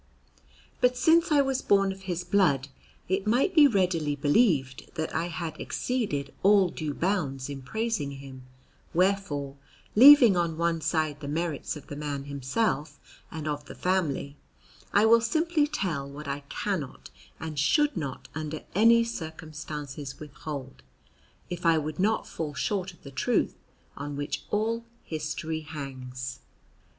But, since I was born of his blood, it might be readily believed that I had exceeded all due bounds in praising him; wherefore, leaving on one side the merits of the man himself and of the family, I will simply tell what I cannot and should not under any circumstances withhold, if I would not fall short of the truth, on which all history hangs.